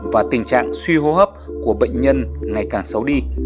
và tình trạng suy hô hấp của bệnh nhân ngày càng xấu đi